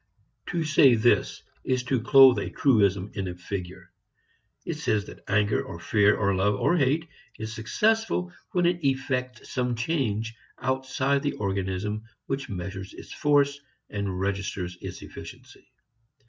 To say this is to clothe a truism in a figure. It says that anger or fear or love or hate is successful when it effects some change outside the organism which measures its force and registers its efficiency.